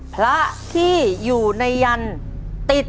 พระที่อยู่ในยันต์ติด